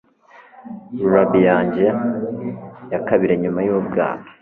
Lullaby yanjye ya kabiri nyuma yubwana